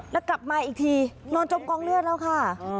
แล้วกลับมาอีกทีนอนจมกองเลือดแล้วค่ะ